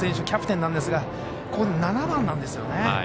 キャプテンなんですが７番なんですよね。